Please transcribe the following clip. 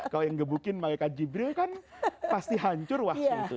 kalau yang gebukin malaikat jibril kan pasti hancur wahsnya itu